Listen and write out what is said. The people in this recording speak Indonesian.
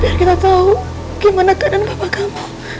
biar kita tahu gimana keadaan bapak kamu